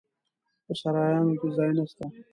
په سرایونو کې ځای نسته.